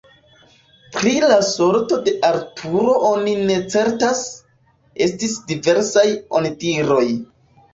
Pri la sorto de Arturo oni ne certas: estis diversaj onidiroj.